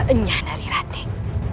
enyah dari latih